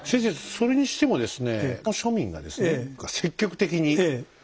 それにしてもですね